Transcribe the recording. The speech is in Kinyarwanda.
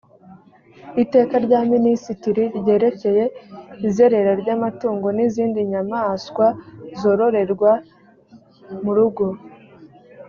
iteka rya minisitiri ryerekeye izerera ry amatungo n izindi nyamaswa zororerwa mu rugo